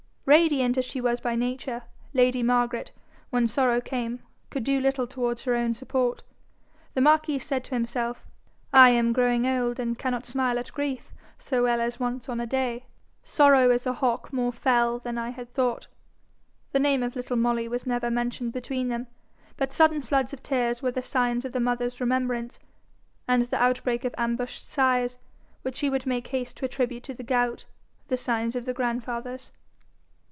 Radiant as she was by nature, lady Margaret, when sorrow came, could do little towards her own support. The marquis said to himself, 'I am growing old, and cannot smile at grief so well as once on a day. Sorrow is a hawk more fell than I had thought.' The name of little Molly was never mentioned between them. But sudden floods of tears were the signs of the mother's remembrance; and the outbreak of ambushed sighs, which he would make haste to attribute to the gout, the signs of the grandfather's.